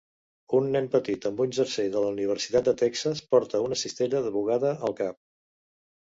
Un nen petit amb un jersei de la Universitat de Texas porta una cistella de bogada al cap.